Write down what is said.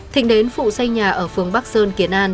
thịnh đến phụ xây nhà ở phường bắc sơn kiến an